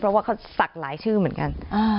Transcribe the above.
เพราะเขาสั่งหลายชื่อเหมือนกัน